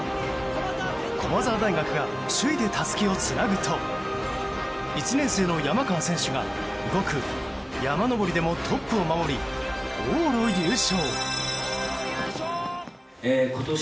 駒澤大学が首位でたすきをつなぐと１年生の山川選手が５区、山上りでもトップを守り往路優勝。